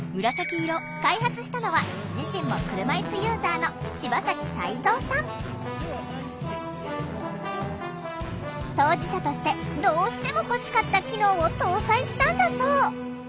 開発したのは自身も車いすユーザーの当事者としてどうしても欲しかった機能を搭載したんだそう。